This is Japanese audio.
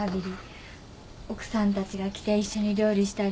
奥さんたちが来て一緒に料理したり。